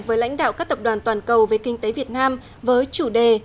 với lãnh đạo các tập đoàn toàn cầu về kinh tế việt nam với chủ đề